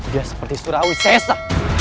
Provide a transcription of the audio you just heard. dia seperti surawisasa